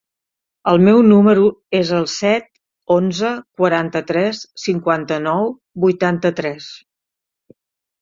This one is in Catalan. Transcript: El meu número es el set, onze, quaranta-tres, cinquanta-nou, vuitanta-tres.